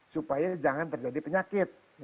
supaya jangan terjadi penyakit